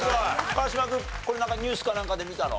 川島君これニュースかなんかで見たの？